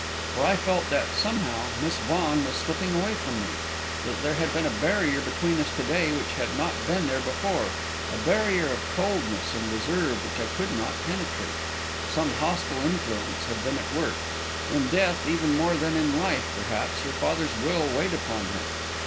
For I felt that, somehow, Miss Vaughan was slipping away from me. There had been a barrier between us to day which had not been there before, a barrier of coldness and reserve which I could not penetrate. Some hostile influence had been at work; in death, even more than in life, perhaps, her father's will weighed upon her.